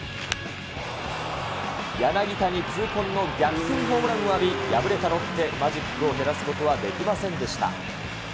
柳田に痛恨の逆転ホームランを浴び、敗れたロッテ、マジックを減らすことはできませんでした。